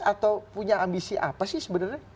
atau punya ambisi apa sih sebenarnya